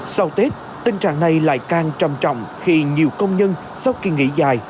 sau tết tình trạng này lại càng trầm trọng khi nhiều công nhân sau kỳ nghỉ dài